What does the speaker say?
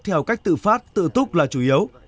theo cách tự phát tự túc là chủ yếu